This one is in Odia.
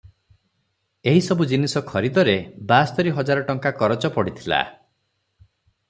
ଏହିସବୁ ଜିନିଷ ଖରିଦରେ ବାସ୍ତରି ହଜାର ଟଙ୍କା କରଚ ପଡ଼ିଥିଲା ।